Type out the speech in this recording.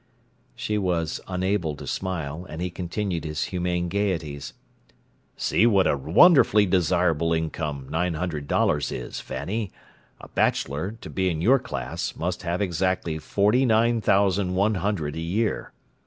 She was unable to smile, and he continued his humane gayeties. "See what a wonderfully desirable income nine hundred dollars is, Fanny: a bachelor, to be in your class, must have exactly forty nine thousand one hundred a year.